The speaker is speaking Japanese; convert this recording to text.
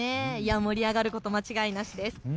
盛り上がること間違いなしです。